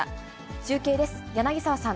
中継です。